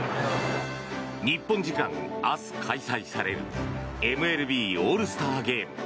日本時間明日、開催されるＭＬＢオールスターゲーム。